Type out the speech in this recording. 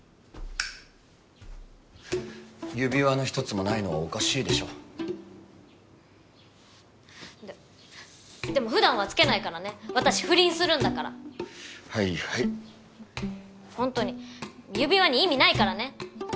指輪の１つもないのはおかしいでしょででもふだんは着けないからね私不倫するんだからはいはいほんとに指輪に意味ないからね？